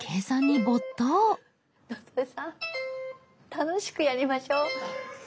楽しくやりましょう。